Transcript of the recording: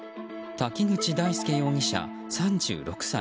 滝口大介容疑者、３６歳。